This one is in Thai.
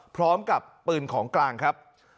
พร้อมกับปืนของกลางครับ